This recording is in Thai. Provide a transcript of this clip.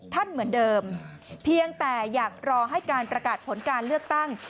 ท่านเหมือนเดิมเพียงแต่อยากรอให้การประกาศผลการเลือกตั้ง